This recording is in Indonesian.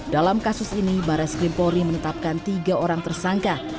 dalam kasus ini barres krimpori menetapkan tiga orang tersangka